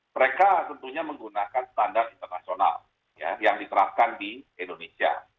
mereka tentunya menggunakan standar internasional yang diterapkan di indonesia